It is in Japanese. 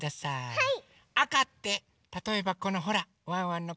はい！